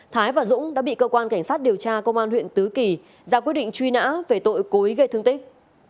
thái và dũng đã bị cơ quan cảnh sát điều tra công an huyện tứ kỳ ra quyết định truy nã về tội cố ý gây thương tích